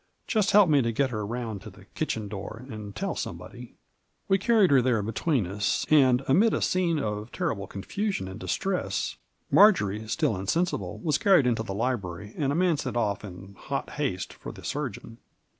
" Just help me to get her round to the kitchen door, and tell somebody." "We carried her there between us, and, amid a scene of terrible confusion and distress, Marjory, still insensi Digitized by VjOOQIC 102 MARJORY. ble, was carried into the library, and a man sent off in hot haste for the surgeon.